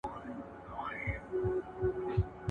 دلته هر یو چي راغلی خپل نوبت یې دی تېر کړی ,